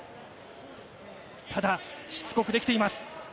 ただ、しつこくできています。